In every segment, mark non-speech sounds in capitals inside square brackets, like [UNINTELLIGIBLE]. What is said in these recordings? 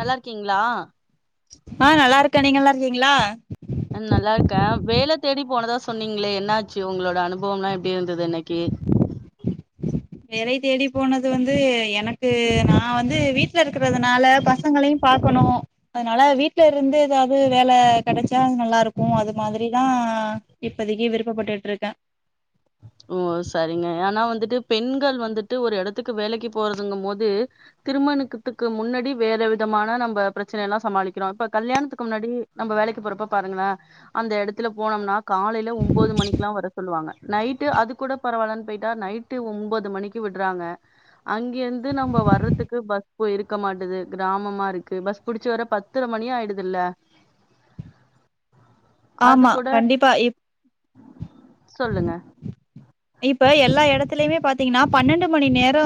நல்லார்க்கீங்ளா ஆ நல்லாருக்கே நீங்க நல்லா ர்க்கீங்ளா நல்லார்க்கே வேல தேடி போனதா சொன்னீங்ளே என்னாச்சு உங்களோட அனுபவம் லா எப்டி ஈந்ததின்னக்கி ம் வேலை தேடி போனது வந்து எனக்கு நா வந்து வீட்ல இருக்குறதுனால பச பசங்களையு பாக்கணு அதனால வீட்லருந்து ஏதாவது வேல கெடச்சா நல்லாருக்கு அது மாதிரி தா இப்பதக்கி விருப்ப பட்டுட்ருக்க ஓ சரிங்க ஆனா வந்துட்டு பெண்கள் வந்துட்டு ஒரு எடத்துக்கு வேலக்கி போறதுங்க போது திருமணத்துக்கு முன்னாடி வேற விதமான நம்ம பிரச்சன எல்லா சமாளிக்கிறோ இப்ப கல்யாணத்துக்கு முன்னாடி நம்ம வேலக்கி போறப்ப பாருங்களே அந்த எடத்துல போனோம்னா காலையில ஒன்பது மணிக்கெல்லா வர சொல்லுவாங்க நைட்டு அது கூட பரவால்லன்னு போயிட்டா நைட்டு ஒம்பது மணிக்கு விட்றாங்க அங்கெர்ந்து நம்ம வர்றதுக்கு பஸ் போய் இருக்க மாட்டேது கிராமமா ருக்கு பஸ் புடிச்சு வர பத் பத்தர மணி ஆயிடுதில்ல ஆமா கண்டிப்பா இப் சொல்லுங்க இப்ப எல்லா எடத்துலயுமே பாத்தீங்னா பன்னெண்டு மணி நேரோ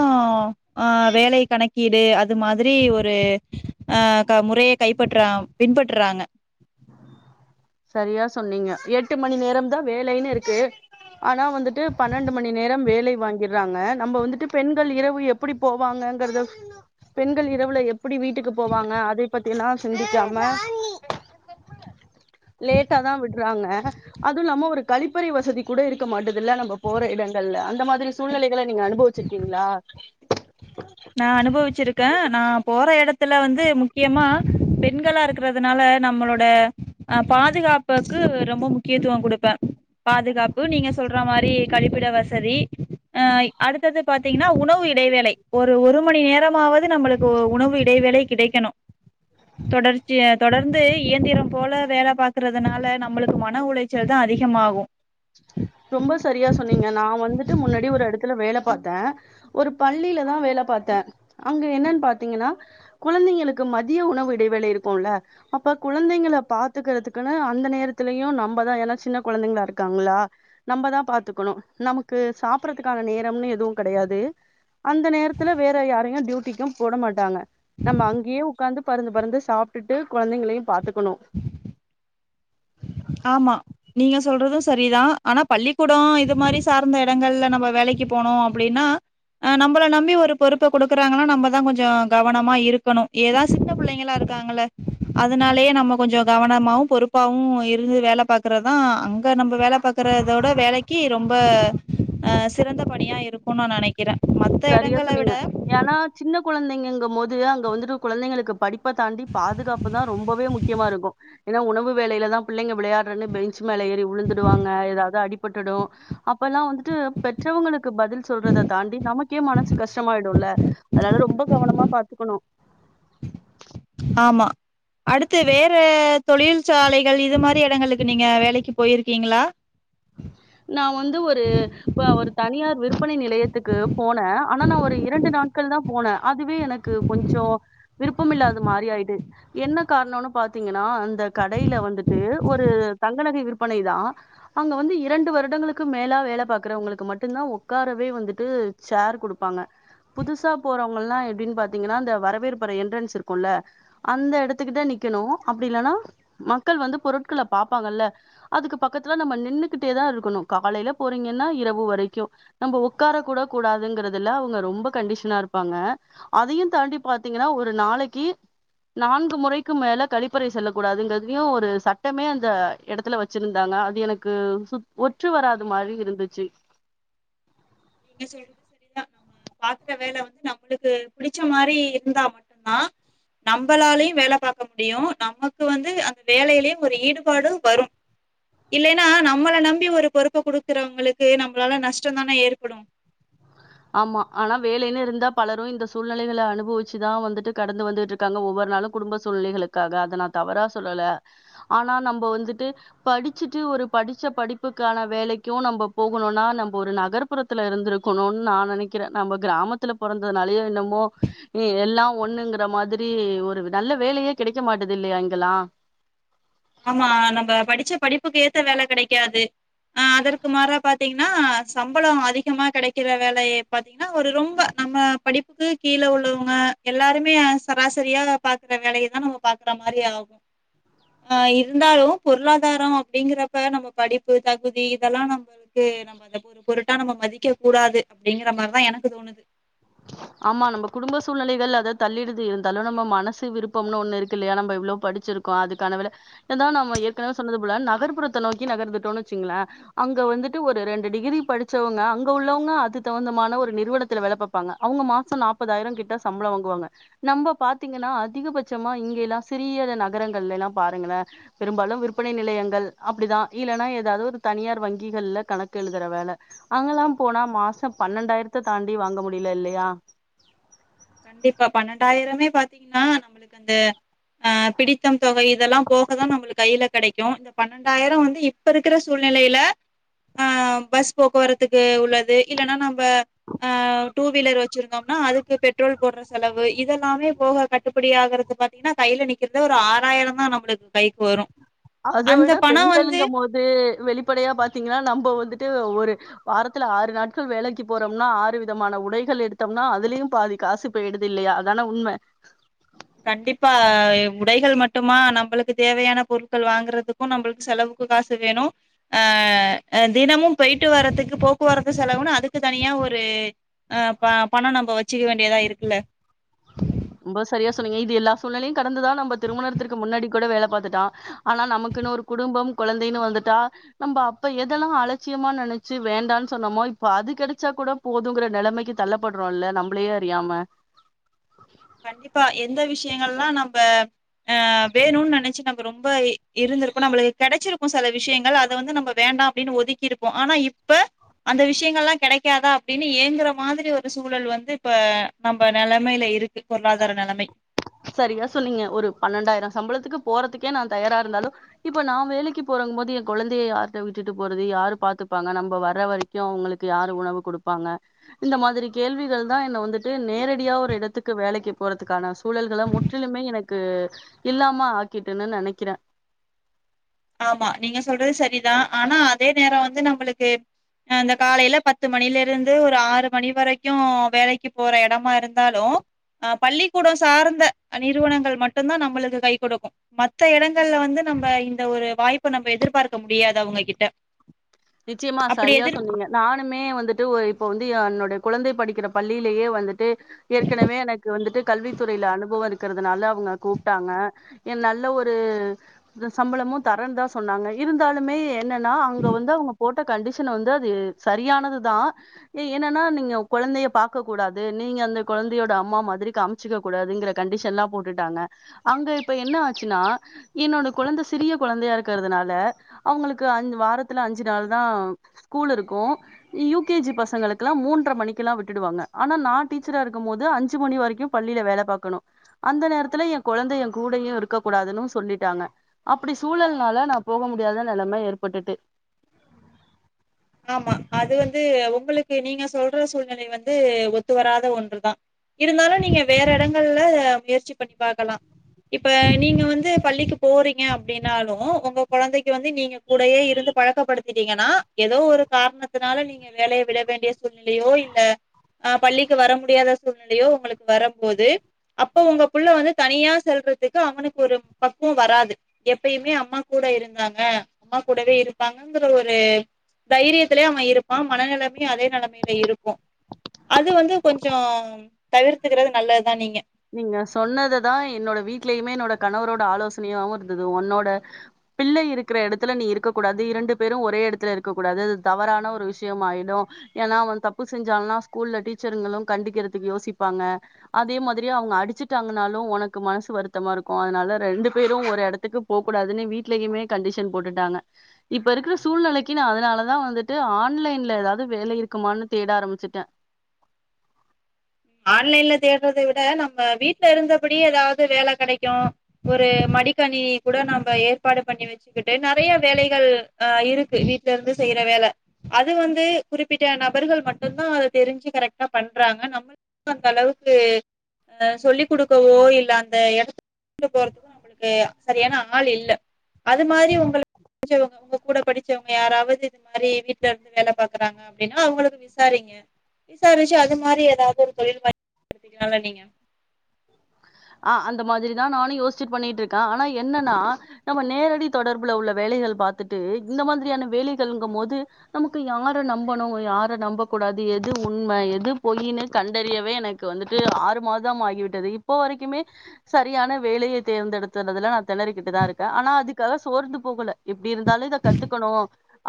ஆ வேலை கணக்கீடு அது மாதிரி ஒரு அ முறையை கைப்பற்றா பின்பற்றாங்க சரியா சொன்னீங்க எட்டு மணி நேரம்தா வேலைன்னு இருக்கு ஆனா வந்துட்டு பன்னெண்டு மணி நேரம் வேலை வாங்கிறாங்க நம்ம வந்துட்டு பெண்கள் இரவு எப் எப்படி போவாங்கங்கறத பெண்கள் இரவுல எப்டி எப்படி வீட்டுக்கு போவாங்க அதை பத்தி எல்லா சிந்திக்காம லேட்டா தா விட்றாங்க அதுவுலாம ஒரு கழிப்பறை வசதி கூட இருக்க மாட்டதில்ல நம்ம போற இடங்கள்ல அந்த மாதிரி சூழ்நிலை கள நீங்க அனுபவிச்சிருக்கீங்ளா நா அனுபவச்சிருக்கே நா போற எடத்துல வந்து முக்கியமா பெண்களா இருக்கறதுனால நம்மளோட அ பாதுகாப்புக்கு ரொம்ப முக்கியத்துவ குடுப்பே பாதுகாப்பு நீங்க சொல்ற மாரி கழிப்பிட வசதி அ அடுத்தது பாத்தீங்னா உண உணவு இடைவேளை ஒரு ஒரு மணி நேரமாவது நம்மளுக்கு உணவு இடைவேளை கிடைக்கணு தொடர்ச்சி தொடர்ந்து இயந்திரம் போல வேல பாக்குறதுனால நம்பளுக்கு மன உளை ச்சல் தா அதிகமாகு ரொம்ப சரியா சொன்னீங்க நா வந்துட்டு முன்னாடி ஒரு எடத்துல வேல பாத்த ஒரு பள்ளிலதா வேல பாத்த அங்க என்னன் பாத்தீங்கன்னா குழந்தைங்களுக்கு மதிய உணவு இடைவேளை இருக்குல அப்ப குழந்தைங்கள பாத்துக்கறதுக்குன்னு அந்த நேரத்துலயு நம்மதா ஏனா சின்ன கொழந்தைங்களா இருக்காங்களா நம்பதா பாத்துக்கணு நமக்கு சாப்பறதுக்கான நேரம்னு எதுவு கெடையாது அந்த நேரத்துல வேற யாரையு டியூட்டிக்கு போட மாட்டாங்க நம்ம அங்கயே உக்காந்து பறந்து பறந்து சாப்டுட்டு கொழந்தைங்களையு பாத்துக்கணு ஆமா நீங்க சொல்றது சரிதா ஆனா பள்ளிக்கூட இது மாரி சார்ந்த எடங்கள்ல நம்ம வேலைக்கு போனோ அப்டின்னா ஆ நம்பள நம்பி ஒரு பொறுப்ப குடுக்குறாங்கன்னா நம்பதா கொஞ்சோ கவனமா இருக்கணு ஏதா சின்ன புள்ளைங்களா இருக்காங்கள அதனாலயே நம்ம கொஞ்சோ கவனமாவு பொறுப்பாவு இர் இருந்து வேல பாக்கறதா அங்க நம்ப வேல பாக்கறதோட வேலைக்கி ரொம்ப அ சிறந்த பணியா இருக்குனு நா நனைக்கறே மத்த சரியா எடங்கள விட சொன்னீங்க. ஏன்னா சின்ன கொழந்தைங்கங்க மோது அங்க வந்துட்டு குழந்தைங்களுக்கு படி ப்ப தாண்டி பாதுகாப்புதா ரொம்பவே முக்கியமா இருக்கு ஏனா உணவு வேளையிலதா பிள்ளைங்க விளையாடுறன்னு பெஞ்சு மேல ஏறி உழுந்துடுவாங்க ஏதாவது அடிபட்டுடு அப்பல்லா வந்துட்டு பெ பெற்றவுங்களுக்கு பதில் சொல்றத தாண்டி நமக்கே மனசு கஷ்டமாயிடுல அதனால ரொம்ப கவனமா பாத்து க்குணு ஆமா அடுத்து வேற தொழிற்சாலைகள் இது மாரி எடங்களுக்கு நீங்க வேலைக்கு போயிருக்கீங்ளா நா வந்து ஒரு ஒரு தனியார் விற்பனை நிலையத்துக்கு போன ஆனா நா ஒரு இரண்டு நா ட்கள் தா போன அதுவே எனக்கு கொஞ்சோ விருப்பம் இல்லாத மாரி ஆயிடு என்ன காரணோன்னு பாத்தீங்கன்னா அந்த கடையில வந்துட்டு ஒரு தங்கநகை விற்பனைதா அங்க வந்து‌ எ இரண்டு வருடங்களுக்கு மேலா வேல பாக்குறவங்களுக்கு மட்டுந்தா உக்காரவே வந்துட்டு சேர் குடுப்பாங்க புதுசா போறவங்கல்லா எப்டின் பாத்தீங்கன்னா இந்த வரவேற்பரை என்ட்ரன்ஸ் இருக்குல்ல அந்த எடத்துகிட்ட நிக்கணு அப்டி இல்லனா மக்கள் வந்து பொருட்கள பாப்பாங்கல்ல அதுக்கு பக்கத்துல நம்ம நின்னு க்கிட்டே தா இருக்கனு காலையில போறீங்கன்னா இரவு வரைக்கு நம்ப உக்கார கூட கூடாதுங்கறதுல அவுங்க ரொம்ப கண்டிஷனா இருப்பாங்க அதையு தாண்டி பாத்தீங்கன்னா ஒரு நாளைக்கு நான்கு முறைக்கு மேல கழிப்பறை செல்ல கூடாதுங்கதையு ஒரு சட்டமே அந்த எடத்துல வ ச்சிருந்தாங்க அது எனக்கு சு ஒற்று வராது மாரி இருந்துச்சு நீங்க சொல்றது சரிதா பாக்குற வேல வந்து நம்பளுக்கு பிடிச்ச மாரி இருந்தா மட்டுதா நம்பளாலயு வேல பாக்க முடியு நமக்கு வந்து அந்த வேலையிலயு ஒரு ஈடுபாடு வரு இல்லைன்னா நம்பள நம்பி ஒரு பொறுப்ப குடுக்குறவுங்களுக்கு நம்பளால நஷ்டோ தான ஏற் படு ஆமா ஆனா வேலைன்னு இருந்தா பலரு இந்த சூழ்நிலகளை அனுபவிச்சுதா வந்துட்டு கடந்து வந்துட்ரு க்காங்க ஒவ்வொரு நாளு குடும்ப சூழ்நிலைகளுக்காக அத நா தவறா சொல்லல ஆனா நம்ப வந்துட்டு படிச்சுட்டு ஒரு படிச்ச படிப்புக்கான வேலைக்கு நம்ம போகணுனா நம்ப ஒரு நகர்ப் புறத்துல இருந்த இருக்கணுன்னு நா நனைக்கிற நம்ம கிராமத்துல பொறந்ததுனாலயோ என்னமோ ம் எல்லா ஒண்ணுங்குற மாதிரி ஒரு நல்ல வேலையே கெடைக்க மாட்டது இல்லையா இங்கல்லா ஆமா நம்ம படிச்ச படிப்புக்கு ஏத்த வேல கெடைக்காது அ அதற்கு மாறா பாத்தீங்கன்னா சம்பள அதிகமா கெடைக்கிற வேலைய பாத்தீங்கன்னா ஒரு ரொம்ப நம்ம படிப்புக் கீழ உள்ளவங்க எல்லாருமே சராசரியா பாக்குற வேலைய தா நம்ம பாக்குற மாரி ஆகு ஆ இருந்தாலு பொருளாதார அப்டிங்குறப்ப நம்ம படிப்பு தகுதி இதெல்லா நம்ம வந்து நம்ம அத ஒரு பொருட்டா நம்ம மதிக்க கூடாது அப்டிங்கிற மாரிதா எனக்கு தோணுது ஆமா நம்ப குடும்ப சூழ்நிலைகள் அதா தள்ளிடுது இருந்தாலு நம்ம மனசு விருப்பம்னு ஒண்ணு இருக்கு இல்லையா நம்ப இவ்வளோ படிச்சிரு க்கோ அதுக்கான வேல இருந்தா நம்ம ஏற்கனவே சொன்னது போல நகர்புறத்த நோக்கி நகர்ந்துட்டோனு வச்சுங்ளே அங்க வந்துட்டு ஒரு ரெண்டு டிகிரி படிச்சவங்க அங்க உள்ளவங்க அது தகுந்தமான ஒரு நிறுவனத்துல வேல பாப்பாங்க அவுங்க மாச நாப்பதாயிர கிட்ட சம்பளம் வாங்குவாங்க நம்ப பாத்தீங்கன்னா அதிகபட்சமா இங்கைலா சிறிய நகரங்கள்லைலா பாருங்களே பெரும்பாலு விற்பனை நிலையங்கள் அப்டிதா இல்லன்னா ஏதாவது ஒரு தனியார் வங்கிகள்ல கணக்கு எழுதுற வேல அங்கெல்லா போனா மாச பன்னெண்டாயிரத்த தாண்டி வாங்க முடியல இல்லையா கண்டிப்பா பன்னெண்டாயிரமே பாத்தீங்கன்னா நம்மளுக்கு அந்த ஆ பிடித்தம் தொகை இதெல்லா போகதா நம்மளுக்கு கையில கெடைக்கு இந்த பன்னெண்டாயிர வந்து இப்ப இருக்குற சூழ்நிலையில ஆ பஸ் போக்குவரத்துக்கு உள்ளது இல்லன்னா நம்ப ஆ டூ வீலர் வச்சிருந்தோம்னா அதுக்கு பெட் ரோல் போடுற செலவு இதெல்லாமே போக கட்டுப்படி ஆகுறது பாத்தீங்கன்னா கையில நிக்கிறது ஒரு ஆறாயிர தா நம்மளுக்கு கைக்கு வரு அத விட பெண்களுங்கம் போது வெளிப்படையா பாத்தீங்கன்னா நம்ம வந்துட்டு ஒரு வாரத்துல ஆறு நாட்கள் வேலைக்கு போறோம்னா ஆறு விதமான உடைகள் எடுத்தோம்னா அதுலயு பாதி காசு போயிடுது இல்லையா அதான உண்ம கண்டிப்பா உடைகள் மட்டுமா நம்பளுக்கு தேவையான பொருட்கள் வாங்குறது க்கு நம்பளுக்கு செலவுக்கு காசு வேணு அ தினமும் போயிட்டு வரதுக்கு போக்குவரத்து செலவுனு அதுக்கு தனியா ஒரு அ பணம் நம்ப வச்சுக்க வேண்டியதா இருக்குல்ல ரொம்ப சரியா சொன்னீங்க இது எல்லா சூழ்நிலையு கடந்துதா நம்ப திருமணத்திற்கு முன்னாடி கூட வேல பாத்துட்ட ஆனா நமக்குனு ஒரு குடும்பம் கொழந்தைன்னு வந்துட்டா நம்ப அப்ப எதெல்லா அலட்சியமா நெனச்சு வேண்டான்னு சொன்னோமோ இப்ப அது கெடச்சா கூட போதுங்குற நெலமைக்கு தள்ளப்படுறோம்ல நம்பளயே அறியாம கண்டிப்பா எந்த விஷயங்கல்லா நம்ப ஆ வேணும்னு நெனச்சு நம்ப ரொம்ப இ இருந்துருப்போ நம்பளுக்கு கெடச்சிருக்கு செல விஷயங்கள் அத வந்து நம்ப வேண்டா அப்டின்னு ஒதுக்கி இருப்போ ஆனா இப்ப அந்த விஷயங்களல்லா கெடைக்காதா அப்டின்னு ஏங்குற மாதிரி ஒரு சூழல் வந்து இப்ப நம்ப நிலைமையில இருக் பொருளாதார நெலமை சரியா சொன்னீங்க ஒரு பன்ணென்டாயிரோ சம்பளத்துக்கு போறதுக்கே நா தயாரா இருந்தாலு இப்ப நா வேலைக்கு போறங்கம் போது என கொழந்தைய யார்ட்ட விட்டுட்டு போறது யாரு பாத்துப்பாங்க நம்ப வர்ற வரைக் க்கு அவுங்ளுக்கு யாரு உணவு குடுப்பாங்க இந்த மாதிரி கேள்விகள் தா என்ன வந்துட்டு நேரடியா ஒரு இடத்துக் கு வேலக்கு போறதுக்கான சூழல்கள முற்றிலுமே எனக்கு இல்லாம ஆக்கிட்டுன்னு நெனைக்கிறே ஆமா நீங்க சொல்றது சரிதா ஆனா அதே நேரோ வந்து நம்பளுக்கு அந்த காலைல பத் து மணில இருந்து ஒரு ஆறு மணி வரைக்கு வேலக்கு போற எடமா இருந்தாலூ ஆ பள்ளிக்கூட சார்ந்த நிறுவனங்கள் மட்டுந்தா நம்மளுக்கு கை குடுக்கு மத்த எடங்கள்ல வந்து நம்ப இந்த ஒரு வாய்ப்ப நம்ம எதிர்பார்க்க முடியாது அவுங்ககிட்ட நிச்சயமா சரியா சொன்னீங்க நானுமே வந்துட்டு ஒரு இப்ப வந்து என்னுடைய குழந்தை படிக்கிற பள்ளியிலயே வந்துட்டு ஏற்கனவே எனக்கு வந்துட்டு கல்வித்துறைல அனுபவ இருக்கறதுனால அவுங்க கூப்ட்டாங்க என் நல்ல ஒரு சம்பளமு தரன்னு தா சொன்னாங்க இருந்தாலுமே என்னனா அங்க வந்து அவுங்க போட்ட கண்டிஷன் வந்து அது சரியானதுதா ஏ ஏனன்னா நீங்க கொழந்தைய பாக்க கூடாது நீங்க அந்த கொழந்தையோட அம்மா மாதிரி காமிக் ச்சுக்க கூடாதுங்கற கண்டிஷன்ல்லா போட்டுட்டாங்க அங்க இப்ப என்ன ஆச்சுன்னா என்னோட கொழந்தை சிறிய கொழந்தையா இருக்கறதுனால அவுங்களுக்கு அஞ் வாரத்துல அஞ்சி நாள் தா ஸ்கூல் இருக்கு யூ கே ஜி பசங்களுக்குல்லா மூன்ற மணிக்கெல்லா விட்டுடுவாங்க ஆனா நா டீச்சரா இருக்கு போது அஞ்சு மணி வரைக்கு பள்ளில வேல பாக்கணு அந்த நேரத்துல என் கொழந்தங்க எ கூடையு இருக்க கூடாதுன்னு சொல்லிட்டாங்க அப்பிடி சூழல்னால நா போக முடியாத நெலம ஏற்பட்டுட்டு ஆமா அது வந்து உங்களுக்கு நீங்க சொல்ற சூழ்நிலை வந்து ஒத்து வராத ஒன்று தா இருந்தாலு நீங்க வேற எடங்கள்ல முயற்சி பண்ணி பாக்கலா இப்ப நீங்க வந்து பள்ளிக்கு போறீங்க அப்டின்னாலூ ஒங்க கொழந்தைக்கு வந்து நீங்க கூடயே இருந்து பழக்கப்படுத்திட்டீங்கனா எதோ ஒரு காரணத்னால நீங்க வேலய விட வேண்டிய சூழ்நிலையோ இல்ல ஆ பள்ளிக்கு வர முடியாத சூழ்நிலையோ உங்களுக்கு வரம் போது அப்போ உங்க புள்ள வந்து தனியா செல்றதுக்கு அவனுக்கு ஒரு பக்குவொ வராது எப்பயுமே அம்மா கூட இருந்தாங்க அம்மா கூடவே இருப்பாங்கங்கிற ஒரு தைரியத்திலே அவ இருப்பா மனநெலமையு அதே நெலமைல இருக்கு அது வந்து கொஞ்சொ தவிர்த்துக்கிறது நல்லதுதா நீங்க நீங்க சொன்னதுதா என்னோட வீட்லயுமே என்னோட கணவரோட ஆலோசனையாவு இருந்தது ஒன்னோட பிள்ளை இருக்கிற எடத்துல நீ இருக்க கூடாது இரண்டு பேரு ஒரே எடத்துல இருக்க கூடாது அது தவறான ஒரு விஷயமாயிடு ஏனா அவ தப்பு செஞ்சானா ஸ்கூல்ல டீச்சருங்களு கண்டிக்கிறதுக்கு யோசிப்பாங்க அதே மாதிரி திரி அவுங்க அடிச்சிட்டாங்னாலு ஒனக்கு மனசு வருத்தமா இருக்கு அதனால ரெண்டு பேரும் ஒரு எடத்துக்கு போ கூடாதுன்னு வீட்லயுமே கண்டிஷன் போட்டுட்டாங்க இப்ப இருக்கிற சூழ்நெலைக்கு நா அதனாலதா வந்துட்டு ஆன்லைன்ல ஏதாது வேலை இருக்குமான்னு தேட ஆரம்பிச்சுட்ட ஆன்லைன்ல தேடறதை விட நம்ம வீட்ல இருந்தபடி ஏதாவது வேல கெடைக்கு ஒரு மடிக்கணி கூட நம்ப ஏற்பாடு பண்ணி வச்சு வச்சக்கிட்டு நெறைய வேலைகள் ஆ இருக்கு வீட்ல இருந்து செய்ற வேல அது வந்து குறிப்பிட்ட நபர்கள் மட்டும்ந்தா அத தெரிஞ்சி கரெக்டா பண்றாங்க நம் அந்த அளவுக்கு அந்த சொல்லிக் குடுக்கவோ இல்ல அந்த எடத்து கூட்டிட்டு போறதுக்கோ நம்ளுக்கு சரியான ஆள் இல்ல அது மாரி உங்களுக் படிச்சவங்க உங்க கூட படிச்சவங்க யாராவது இது மாரி வீட்ல இருந்து வேல பாக்றாங்க அப்பிடின்னா அவுங்களுக்கு விசாரிங்க விசாரிச்சு அது மாரி ஏதாவது ஒரு தொழில் [UNINTELLIGIBLE] க்கலா நீங்க ஆ அந்த மாரி தா நானு யோசிச்சி பண்ணிட்டு இருக்கே ஆனா என்னனா நம்ம நேரடி தொடர்பு உள்ள வேலைகள பாத்துட்டு இந்த மாதிரியான வேலைகள் இங்க போது நமக்கு யார நம்பனு யார நம்ப கூடாது எது உண்ம எது பொயின்னு கண்டறியவே எனக்கு க்கு வந்துட்டு ஆறு மாதம் ஆகிவிட்டது இப்போ வரைக்குமே சரியான வேலய தேர்ந்தெடுத்துறதுலநா தெனறிக்கிட்டுதா இருக்கே ஆனா அதுக்காக சோர்ந்து போகல எப்பிடி இருந்தாலும் இத கத்துக்கணும்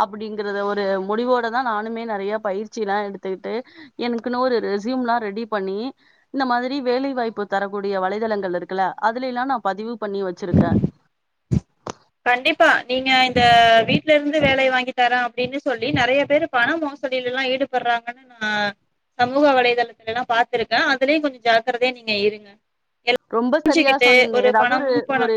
அப்பிடிங்கறத ஒரு முடிவோடதான் நானுமே நறைய பயிற்சி எல்லாம் எடுத்துக்கிட்டு எனக்குன்னு ஒரு ரெசியூம் எல்லாம் ரெடி பண்ணி இந்த மாதிரி வேலைவாய்ப்பு தரக்கூடிய வலைதளங்கள் இருக்குல்ல அதுல எல்லாம் நான் பதிவு பண்ணி வச்சிருக்கே கண்டிப்பா நீங்க இந்த வீட்ல இருந்து வேலையை வாங்கி தர அப்பிடின்னு சொல்லி நறைய பேரு பண மோசடியில எல்லாம் ஈடுபடுறாங்கன்னு நான் சமூக வலைதளங்கல்லாம் பாத்திருக்கேன் அதுலயும் கொஞ்சம் ஜாக்கிரதையா நீங்க இருங்க ரொம்ப சரியா தெரிஞ்சுக்கிட்டு சொன்னீங்க ஏதாவது பணம் ஒரு முன்பணம் ஒரு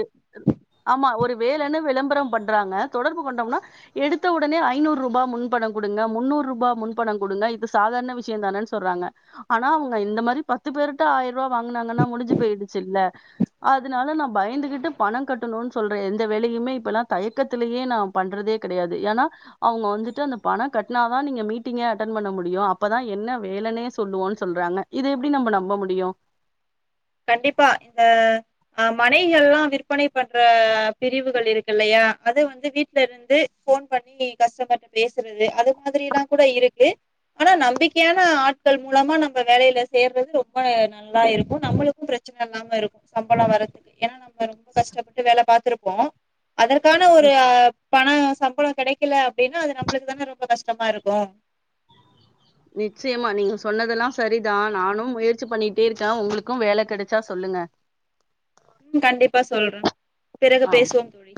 ஆமா ஒரு வேலைன்னு விளம்பரம் பண்றாங்க தொடர்பு கொண்டோம்னா எடுத்த உடனே ஐநூறு ரூபா முன்பணம் குடுங்க முன்னூறு ரூபா முன்பணம் குடுங்க இது சாதாரண விஷயம் தானேன்னு சொல்றாங்க ஆனா அவங்க இந்த மாறி பத்து பேருட்ட ஆயிரம் ரூபா வாங்கினாங்கன்னா முடிஞ்சு போயிருச்சுல்ல அதனால நா பயந்துகிட்டு பணம் கட்டணும்னு சொல்ற எந்த வேலையுமே இப்பல்லாம் தயக்கத்தலேயே நா பண்றதே கிடையாது ஏன்னா அவங்க வந்துட்டு அந்த பணம் கட்டினாதான் நீங்க மீட்டிங்கே அட்டன் பண்ண முடியும் அப்பதான் என்ன வேலன்னே சொல்லுவோன்னு சொல்றாங்க இத எப்படி நம்ம நம்ப முடியும் கண்டிப்பா இந்த அ இந்த மனைகள் எல்லாம் விற்பனை பண்ற பிரிவுகள் இருக்கு இல்லையா அத வந்து வீட்ல இருந்து ஃபோன் பண்ணி கஸ்டமர்ட்ட பேசுறது அது மாதிரி எல்லாம் கூட இருக்கு ஆனா நம்பிக்கையான ஆட்கள் மூலமா நம்ம வேலையில சேர்றது ரொம்ப நல்லா இருக்கும் நம்மளுக்கு பிரச்சனை இல்லாம இருக்கும் சம்பளம் வரதுக்கு ஏன்னா நம்ம ரொம்ப கஷ்டப்பட்டு வேல பாத்திருப்போம் அதற்கான ஒரு நி- பணம் சம்பளம் கிடைக்கல அப்படின்னா அது நம்மளுக்கு தானே ரொம்ப கஷ்டமா இருக்கும் நிச்சயமா நீங்க சொன்னதெல்லாம் சரிதான் நானும் முயற்சி பண்ணிட்டே இருக்கேன் உங்களுக்கும் வேல கிடைச்சா சொல்லுங்க ம் கண்டிப்பா சொல்றேன் பிறகு ஆ பேசுவோம் தோழி